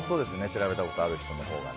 調べたことある人のほうが。